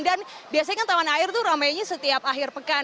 dan biasanya kan taman air itu rame rame setiap akhir pekan